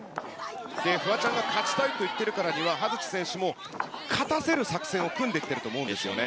フワちゃんが勝ちたいと言ってるからには、葉月選手も勝たせる作戦を組んできていると思うんですよね。